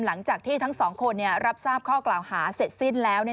หลังจากที่ทั้งสองคนรับทราบข้อกล่าวหาเสร็จสิ้นแล้ว